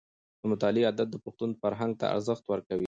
د مطالعې عادت د پښتون فرهنګ ته ارزښت ورکوي.